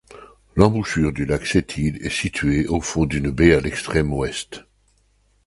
L'embouchure du lac Sept-Îles est située au fond d'une baie à l'extrême ouest.